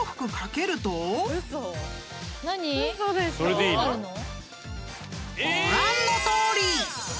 ［ご覧のとおり！］